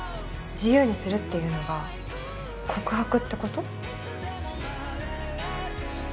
自由にするっていうのが告白って事？